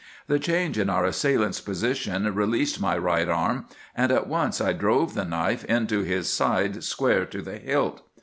The change in our assailant's position released my right arm, and at once I drove the knife into his side square to the hilt.